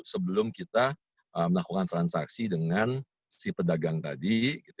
sebelum kita melakukan transaksi dengan si pedagang tadi